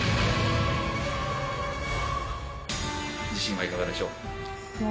自信はいかがでしょう。